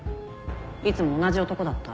いつも同じ男だった？